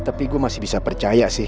tapi gue masih bisa percaya sih